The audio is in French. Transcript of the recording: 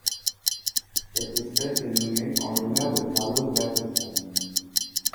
Cette espèce est nommée en l'honneur de Carlos Backhausen.